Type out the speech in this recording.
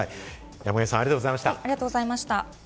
山神さんありがとうございました。